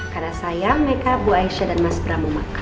karena sayang meka bu aisyah dan mas pramu makan